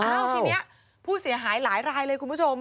ทีนี้ผู้เสียหายหลายรายเลยคุณผู้ชม